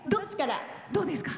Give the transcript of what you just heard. どうですか？